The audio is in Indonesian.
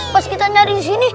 pas kita nyari di sini